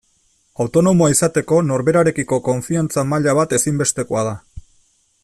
Autonomoa izateko norberarekiko konfiantza maila bat ezinbestekoa da.